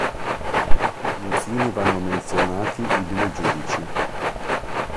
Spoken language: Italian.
Infine vanno menzionati i due giudici.